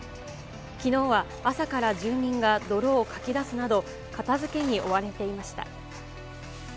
きのうは朝から住民が泥をかき出すなど、片づけに追われていまし